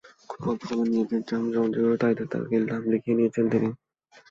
খুব অল্প সময়েই নিজের নাম জনপ্রিয় তারকাদের তালিকায় লিখিয়ে নিয়েছেন তিনি।